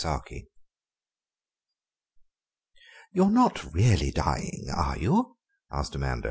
LAURA "You are not really dying, are you?" asked Amanda.